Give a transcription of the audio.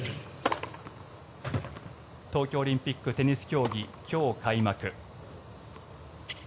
東京オリンピック、テニス競技今日開幕。